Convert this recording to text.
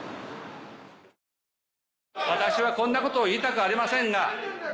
私はこんなことを言いたくありませんが。